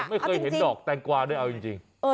ไม่เคยเห็นดอกแตงกวาด้วยเอาจริง